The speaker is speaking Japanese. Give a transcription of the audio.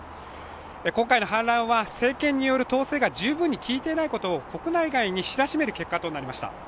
今回の反乱は、政権による統制が十分に効いていないことを国内外に知らしめる結果となりました。